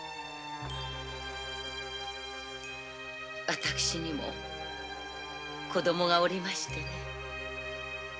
私にも子供がおりましてね。